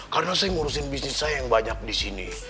karena saya ngurusin bisnis saya yang banyak di sini